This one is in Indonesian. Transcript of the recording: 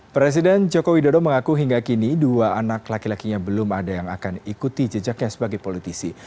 presiden jokowi dodo mengaku hingga kini dua anak laki lakinya belum ada yang akan ikuti jejaknya sebagai politisi